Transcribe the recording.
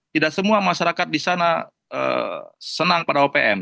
tidak semua masyarakat di sana senang pada opm